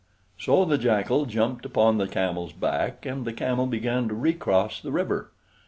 So the Jackal jumped upon the Camel's back, and the Camel began to recross the river.